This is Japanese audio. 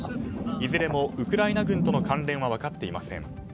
いずれもウクライナ軍との関連は分かっていません。